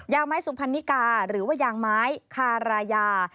ไม้สุพรรณิกาหรือว่ายางไม้คารายา